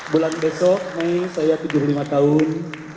bulan besok mei saya tujuh puluh lima tahun